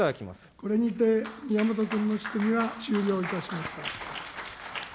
これにて宮本君の質疑は終了いたしました。